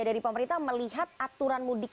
dari pemerintah melihat aturan mudik